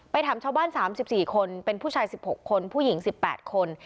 ถามชาวบ้าน๓๔คนเป็นผู้ชาย๑๖คนผู้หญิง๑๘คน